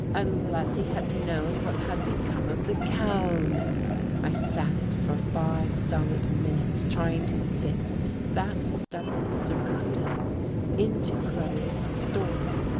" Unless he had known what had become of the gown !" I sat for five solid minutes trying to fit that stubborn circumstance into Crow's story.